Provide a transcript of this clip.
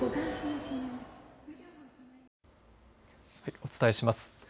お伝えします。